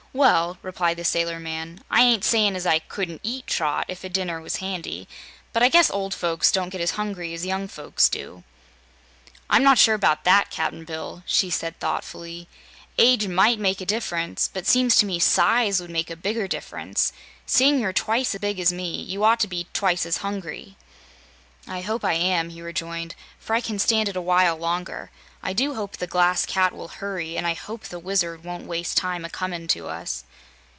"Well," replied the sailor man, "I ain't sayin' as I couldn't EAT, Trot if a dinner was handy but I guess old folks don't get as hungry as young folks do." "I'm not sure 'bout that, Cap'n Bill," she said thoughtfully. "Age MIGHT make a diff'rence, but seems to me SIZE would make a bigger diff'rence. Seeing you're twice as big as me, you ought to be twice as hungry." "I hope I am," he rejoined, "for I can stand it a while longer. I do hope the Glass Cat will hurry, and I hope the Wizard won't waste time a comin' to us."